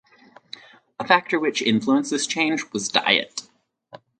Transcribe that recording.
A factor which influenced this change was diet.